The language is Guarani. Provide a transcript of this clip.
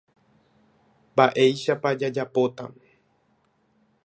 Mba'éichapa jajapóta.